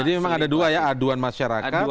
jadi memang ada dua ya aduan masyarakat